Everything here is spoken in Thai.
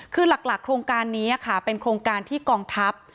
คือหลักโครงการนี้ค่ะเป็นโครงการที่กองทัพ